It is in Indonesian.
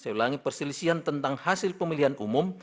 saya ulangi perselisihan tentang hasil pemilihan umum